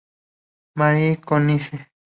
Marie Konishi